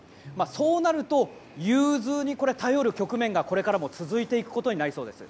そうなると、融通に頼る局面がこれからも続いていくことになりそうです。